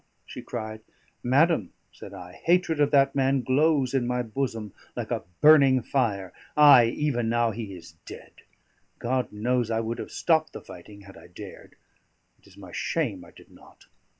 she cried. "Madam," said I, "hatred of that man glows in my bosom like a burning fire; ay, even now he is dead. God knows, I would have stopped the fighting, had I dared. It is my shame I did not.